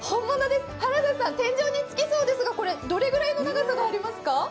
原田さん、天井につきそうですがどれぐらいの長さがありますか？